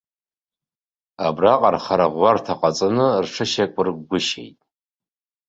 Абра рхырӷәӷәарҭа ҟаҵаны рҽышьақәыркгәышьеит.